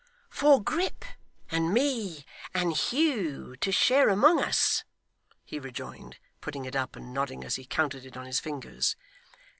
'For Grip, and me, and Hugh, to share among us,' he rejoined, putting it up, and nodding, as he counted it on his fingers.